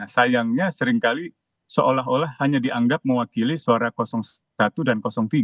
sayangnya seringkali seolah olah hanya dianggap mewakili suara satu dan tiga